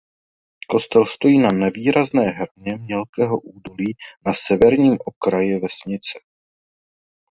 Kostel stojí na nevýrazné hraně mělkého údolí na severním okraji vesnice.